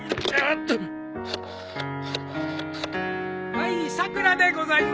はいさくらでございます。